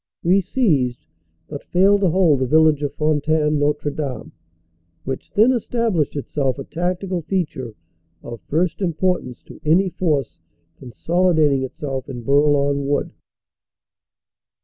We seized but failed to hold the village of Fontaine Notre Dame, which then established itself a tactical feature of first importance to any force consolidating itself in Bourlon Wood.